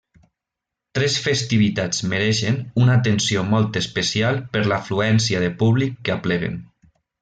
Tres festivitats mereixen una atenció molt especial per l'afluència de públic que apleguen.